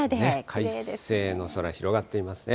快晴の空、広がっていますね。